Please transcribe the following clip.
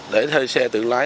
để thuê xe tự làm